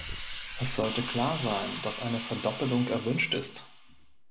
Es sollte klar sein, dass eine Verdoppelung erwünscht ist.